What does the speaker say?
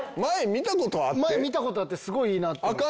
前見た事あってすごいいいなと思って。